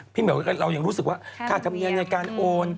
เหมียวเรายังรู้สึกว่าค่าธรรมเนียมในการโอน